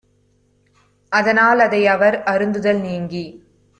அதனால் அதை அவர் அருந்துதல் நீங்கி